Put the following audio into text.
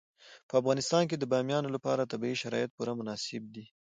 په افغانستان کې د بامیان لپاره طبیعي شرایط پوره مناسب دي.